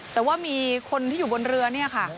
แต่ว่ามีคนที่อยู่บนเรือเนี่ยค่ะ